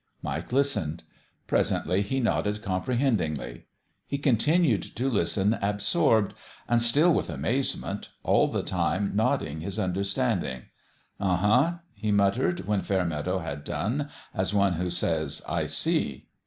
Mike listened. Presently he nodded comprehendingly. He continued to listen absorbed and still with amazement all the time nodding his under standing. " Uh kuk !" he muttered, when Fair meadow had done, as one who says, "I see!"